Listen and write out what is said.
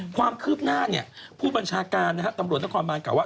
ความคืบหน้าผู้บัญชาการตำรวจต้องความบางกล่าวว่า